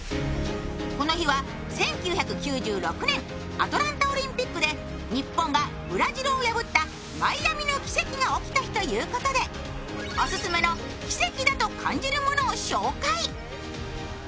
アトランタオリンピックで日本がブラジルを破ったマイアミの奇跡が起きた日ということで「オススメの奇跡だと感じるもの」を紹介。